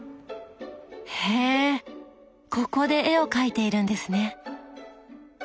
へえここで絵を描いているんですね。